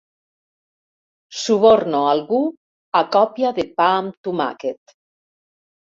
Suborno algú a còpia de pa amb tomàquet.